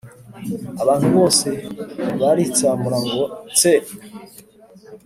abantu bose baritsamura ngo tse